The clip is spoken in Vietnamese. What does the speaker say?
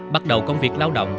bắt đầu công việc lao động